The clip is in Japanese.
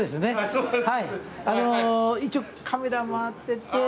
一応カメラ回ってて。